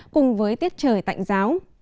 cùng với tiết trời tạnh giáo